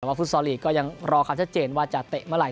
แต่ว่าฟุตซอลลีกก็ยังรอความชัดเจนว่าจะเตะเมื่อไห